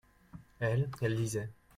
elles, elles lisaient.